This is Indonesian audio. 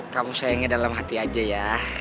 kamu sayangnya dalam hati aja ya